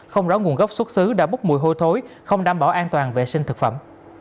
không rõ nguồn gốc xuất xứ đã bốc mùi hôi thối không đảm bảo an toàn vệ sinh thực phẩm